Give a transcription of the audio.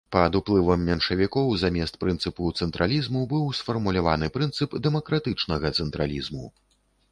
Пад уплывам меншавікоў замест прынцыпу цэнтралізму быў сфармуляваны прынцып дэмакратычнага цэнтралізму.